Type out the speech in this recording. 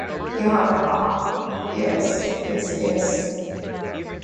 Kartik and Raj learn the truth after Sonu explains the situation.